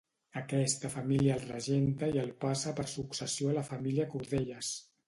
Aquesta família el regenta i el passa per successió a la família Cordelles.